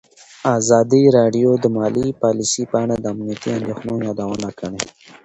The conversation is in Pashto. ازادي راډیو د مالي پالیسي په اړه د امنیتي اندېښنو یادونه کړې.